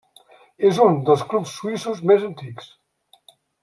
És un dels clubs suïssos més antics.